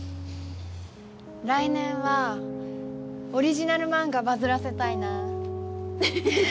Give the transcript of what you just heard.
来年はオリジナル漫画バズらせたいな。